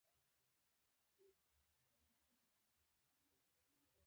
هیواد کې هوا په سړیدو ده